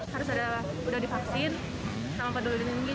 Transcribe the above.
harus ada udah divaksin sama pedagang ini